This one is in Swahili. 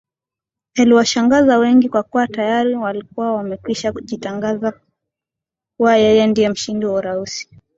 yaliwashangaza wengi kwa kuwa tayari alikuwa amekwisha jitangaza kuwa yeye ndiye mshindi wa uraisi